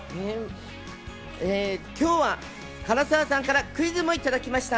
今日は唐沢さんからクイズもいただきました。